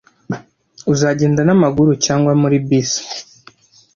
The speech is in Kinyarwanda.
Uzagenda n'amaguru cyangwa muri bisi?